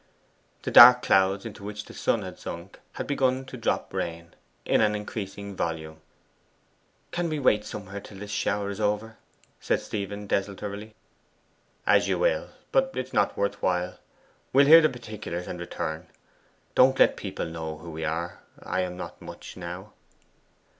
The dark clouds into which the sun had sunk had begun to drop rain in an increasing volume. 'Can we wait somewhere here till this shower is over?' said Stephen desultorily. 'As you will. But it is not worth while. We'll hear the particulars, and return. Don't let people know who we are. I am not much now.